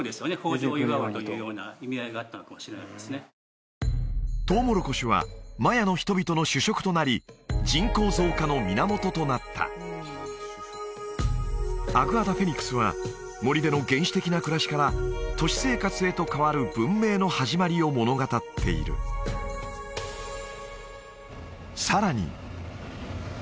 じょうを祝おうというような意味合いがあったのかもしれないですねトウモロコシはマヤの人々の主食となり人口増加の源となったアグアダ・フェニックスは森での原始的な暮らしから都市生活へと変わる文明のはじまりを物語っているさらに